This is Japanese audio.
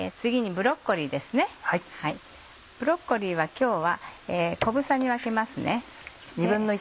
ブロッコリーは今日は小房に分けます。